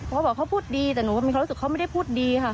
เขาบอกเขาพูดดีแต่หนูก็มีความรู้สึกเขาไม่ได้พูดดีค่ะ